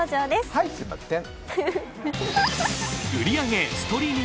はい、すみまてん。